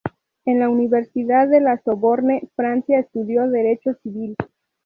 En la Universidad de La Sorbonne, Francia, estudió Derecho Civil.